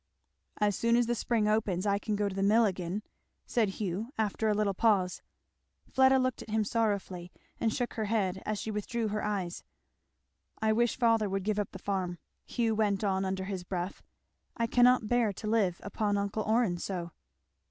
"As soon as the spring opens I can go to the mill again," said Hugh after a little pause. Fleda looked at him sorrowfully and shook her head as she withdrew her eyes. "I wish father would give up the farm," Hugh went on under his breath. "I cannot bear to live upon uncle Orrin so."